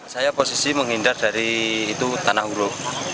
saya posisi menghindar dari itu tanah uru